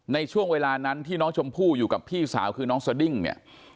ในช่วงเวลานั้นที่น้องชมพู่อยู่กับพี่สาวคือน้องสดิ้งเนี่ย